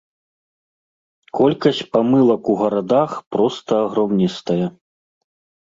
Колькасць памылак у гарадах проста агромністая.